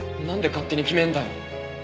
なんで勝手に決めんだよ！